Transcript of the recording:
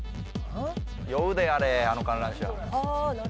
酔うであれあの観覧車。